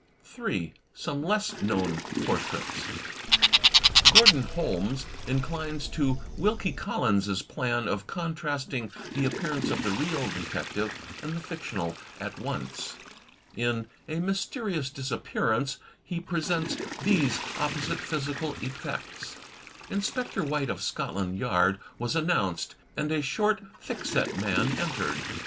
Some Less Known Portraits Gordon Holmes inclines to Wilkie Collins' plan of con trasting the appearance of the real detective and the fictional at once. In "A Mysterious Disappearance" he presents these opposite physical effects: Inspector White, of Scotland Yard, was annoimced, and a short, thick set man entered.